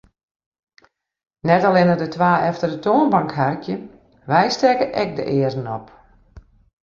Net allinne de twa efter de toanbank harkje, wy stekke ek de earen op.